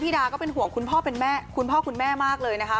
พี่ดาก็เป็นห่วงคุณพ่อคุณแม่มากเลยนะคะ